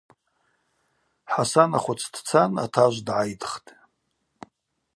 Хӏасанахвыц дцан атажв дгӏайдхтӏ.